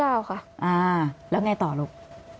แล้วอย่างไรต่อลูก